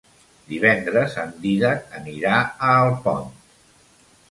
Divendres en Dídac anirà a Alpont.